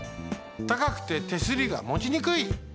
たかくて手すりがもちにくい。